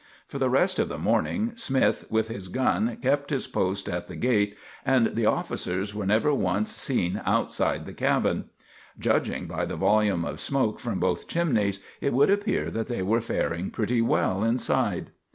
For the rest of the morning Smith with his gun kept his post at the gate, and the officers were never once seen outside the cabin. Judging by the volume of smoke from both chimneys, it would appear that they were faring pretty well inside.